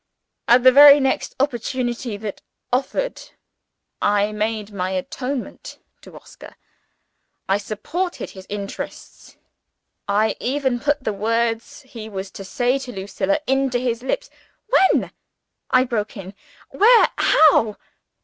_ At the very next opportunity that offered, I made my atonement to Oscar. I supported his interests; I even put the words he was to say to Lucilla into his lips. "When?" I broke in. "Where? How?"